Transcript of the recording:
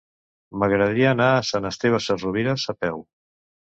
M'agradaria anar a Sant Esteve Sesrovires a peu.